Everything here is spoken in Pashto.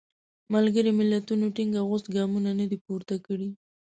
ملګري ملتونو ټینګ او غوڅ ګامونه نه دي پورته کړي.